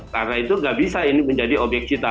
karena itu nggak bisa ini menjadi objek sita